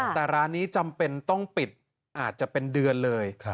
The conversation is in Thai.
แต่ร้านนี้จำเป็นต้องปิดอาจจะเป็นเดือนเลย